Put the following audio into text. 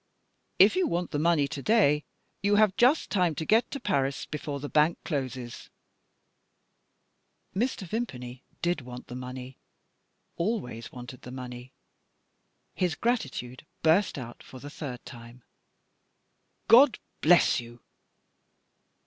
"If you want the money to day, you have just time to get to Paris before the bank closes." Mr. Vimpany did want the money always wanted the money; his gratitude burst out for the third time: "God bless you!"